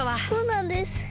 そうなんです！